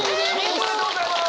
おめでとうございます！